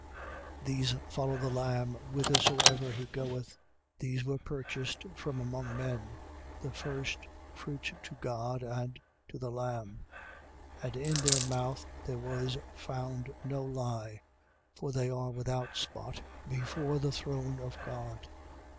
These follow the Lamb whithersoever he goeth. These were purchased from among men, the firstfruits to God and to the Lamb. 14:5. And in their mouth there was found no lie: for they are without spot before the throne of God.